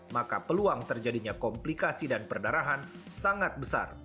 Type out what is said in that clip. sebuah uang terjadinya komplikasi dan perdarahan sangat besar